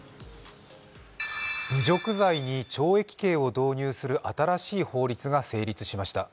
侮辱罪に懲役刑を導入する新しい法律が成立されました。